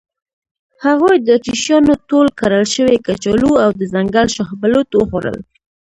هغوی د اتریشیانو ټول کرل شوي کچالو او د ځنګل شاه بلوط وخوړل.